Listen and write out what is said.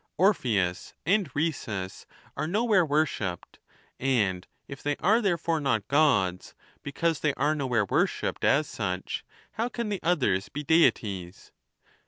Orpheus and Rhesus are nowhere worshipped ; and if they are therefore not Gods, because they are no where worshipped as such, how can the others be Deities